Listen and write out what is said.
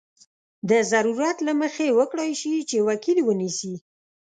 د ضرورت له مخې وکړای شي چې وکیل ونیسي.